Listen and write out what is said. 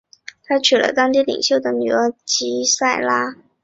他娶了当地领袖的女儿吉塞拉。